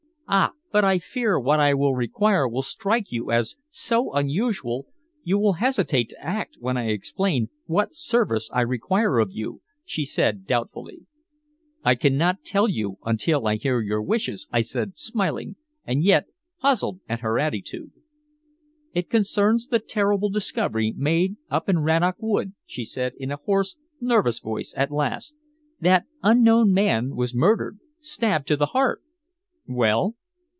"Ah! But I fear what I require will strike you as so unusual you will hesitate to act when I explain what service I require of you," she said doubtfully. "I cannot tell you until I hear your wishes," I said, smiling, and yet puzzled at her attitude. "It concerns the terrible discovery made up in Rannoch Wood," she said in a hoarse, nervous voice at last. "That unknown man was murdered stabbed to the heart." "Well?"